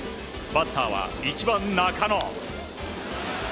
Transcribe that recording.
バッターは１番、中野。